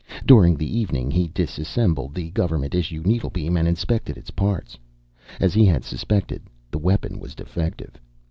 During the evening, he disassembled the government issue needlebeam and inspected its parts. As he had suspected the weapon was defective.